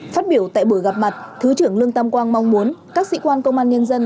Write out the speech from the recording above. phát biểu tại buổi gặp mặt thứ trưởng lương tam quang mong muốn các sĩ quan công an nhân dân